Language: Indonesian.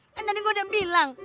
kan tadi gue udah bilang